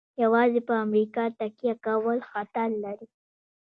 یوازې په امریکا تکیه کول خطر لري.